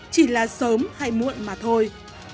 chỉ là sớm hay muộn mà thôi